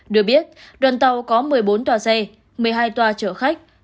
được biết đoàn tàu có một mươi bốn tòa xe một mươi hai toa chở khách